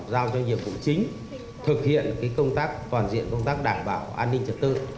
giao cho nhiệm vụ chính thực hiện công tác toàn diện công tác đảm bảo an ninh trật tự